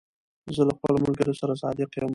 زه له خپلو ملګرو سره صادق یم.